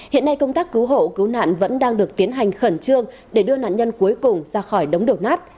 hiện nay công tác cứu hộ cứu nạn vẫn đang được tiến hành khẩn trương để đưa nạn nhân cuối cùng ra khỏi đống đổ nát